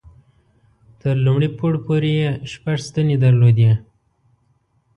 تر لومړي پوړ پورې یې شپږ ستنې درلودې.